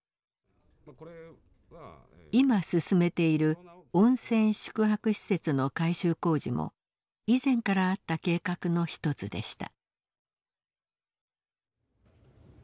今進めている温泉宿泊施設の改修工事も以前からあった計画の一つでした。